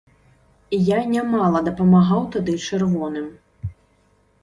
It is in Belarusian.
Я нямала дапамагаў тады чырвоным.